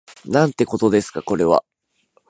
なんてことですかこれは